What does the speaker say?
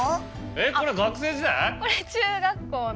えっこれ学生時代？